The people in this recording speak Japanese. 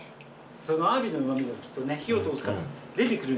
アワビのうま味が火を通すから出てくるんですね。